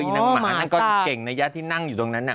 นางหมานั่นก็เก่งนะยะที่นั่งอยู่ตรงนั้นน่ะ